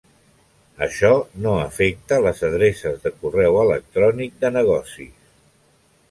Això no afecta les adreces de correu electrònic de negocis.